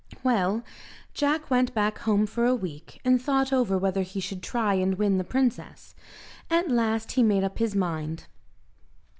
Well, Jack went back home for a week, and thought over whether he should try and win the princess. At last he made up his mind.